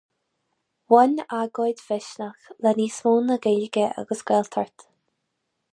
Bhain agóid Mhisneach le níos mó ná Gaeilge agus Gaeltacht.